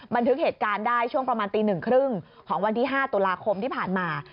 บันทึกเหตุการณ์ได้ช่วงประมาณตี๑๓๐ของวันที่๕ตุลาคมที่ผ่านมา